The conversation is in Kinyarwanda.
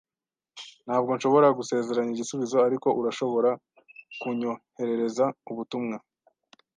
Ntabwo nshobora gusezeranya igisubizo, ariko urashobora kunyoherereza ubutumwa.